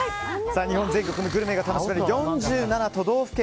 日本全国のグルメが楽しめる４７都道府県